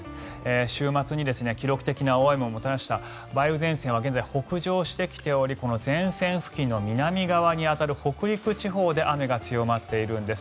週末に記録的な大雨をもたらした梅雨前線は現在、北上してきており前線付近の南側に当たる北陸地方で雨が強まっているんです。